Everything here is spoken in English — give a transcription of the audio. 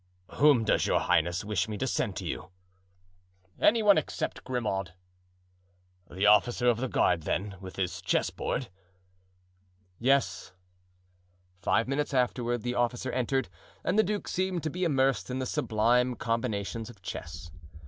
"Whom does your highness wish me to send to you?" "Any one, except Grimaud." "The officer of the guard, then, with his chessboard?" "Yes." Five minutes afterward the officer entered and the duke seemed to be immersed in the sublime combinations of chess.